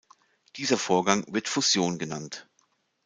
Dieser Vorgang wird Fusion genannt.